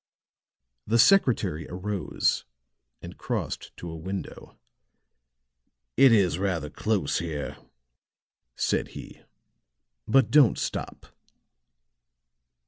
The secretary arose and crossed to a window. "It is rather close here," said he. "But don't stop."